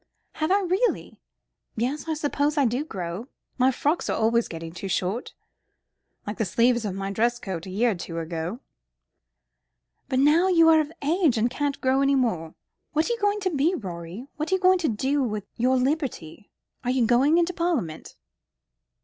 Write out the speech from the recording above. "Have I really? Yes, I suppose I do grow. My frocks are always getting too short." "Like the sleeves of my dress coats a year or two ago." "But now you are of age, and can't grow any more. What are you going to be, Rorie? What are you going to do with your liberty? Are you going into Parliament?"